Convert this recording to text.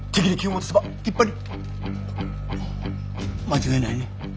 間違いないね。